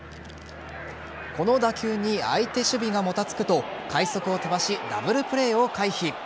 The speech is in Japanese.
この打球に相手守備がもたつくと快足を飛ばしダブルプレーを回避。